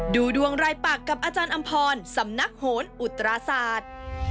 ดูดวงรายปากกับอาจารย์อำพรสำนักโหนอุตราศาสตร์